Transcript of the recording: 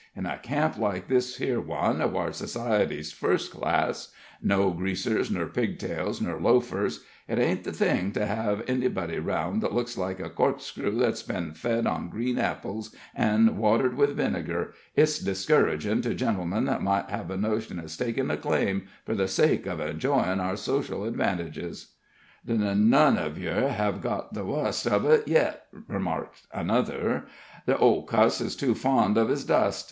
In a camp like this here one, whar society's first class no greasers nur pigtails nur loafers it ain't the thing to hev anybody around that looks like a corkscrew that's been fed on green apples and watered with vinegar it's discouragin' to gentlemen that might hev a notion of stakin' a claim, fur the sake uv enjoyin' our social advantages." "N none uv yer hev got to the wust uv it yit," remarked another. "The old cuss is too fond uv his dust.